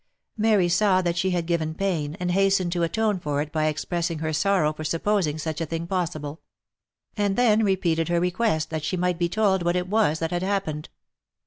Mary saw that she had given pain, and hastened to atone for it by expressing her sorrow for supposing such a thing possible ; and then repeated her request, that she might be told what it was that had happened.